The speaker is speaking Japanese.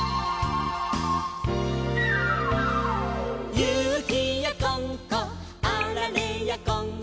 「ゆきやこんこあられやこんこ」